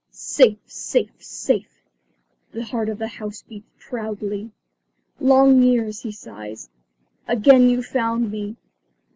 "Safe, safe, safe," the heart of the house beats proudly. "Long years " he sighs. "Again you found me."